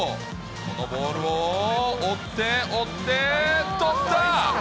このボールを追って、追って、取った！